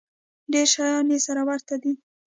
ډېر شیان یې سره ورته دي.